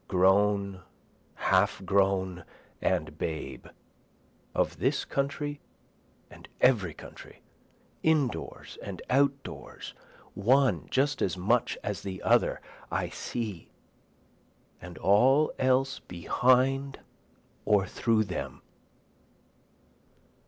Grown, half grown and babe, of this country and every country, in doors and out doors, one just as much as the other, I see, And all else behind or through them.